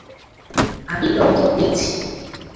আমি টনিকে দেখছি।